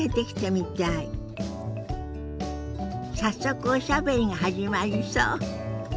早速おしゃべりが始まりそう。